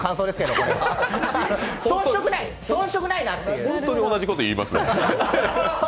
ホントに同じこと言いますね。